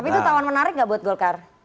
tapi itu tawaran menarik nggak buat golkar